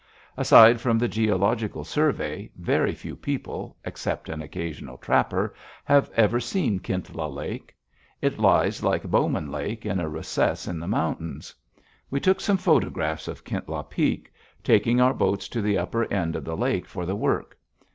Aside from the Geological Survey, very few people, except an occasional trapper, have ever seen Kintla Lake. It lies, like Bowman Lake, in a recess in the mountains. We took some photographs of Kintla Peak, taking our boats to the upper end of the lake for the work.